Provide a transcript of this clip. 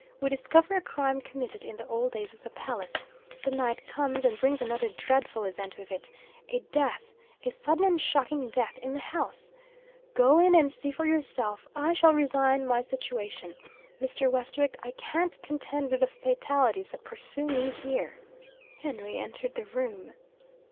We discover a crime committed in the old days of the palace. The night comes, and brings another dreadful event with it a death; a sudden and shocking death, in the house. Go in, and see for yourself! I shall resign my situation, Mr. Westwick: I can't contend with the fatalities that pursue me here!' Henry entered the room.